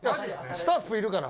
スタッフいるから。